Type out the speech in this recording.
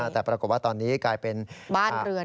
แต่ปรากฏว่าตอนนี้กลายเป็นบ้านเรือน